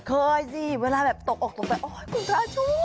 เคยสิเวลาแบบตกออกตรงไปคุณพระช่วย